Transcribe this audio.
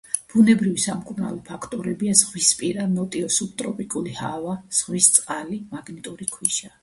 ბუნებრივი სამკურნალო ფაქტორებია ზღვისპირა ნოტიო სუბტროპიკული ჰავა, ზღვის წყალი, მაგნიტური ქვიშა.